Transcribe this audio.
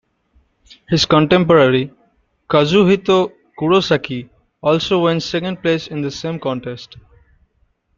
His contemporary, Kazuhito Kurosaki, also won second place in the same contest.